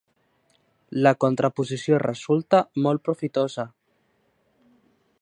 La contraposició resulta molt profitosa.